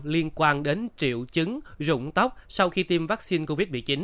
liên quan đến triệu chứng rụng tóc sau khi tiêm vaccine covid một mươi chín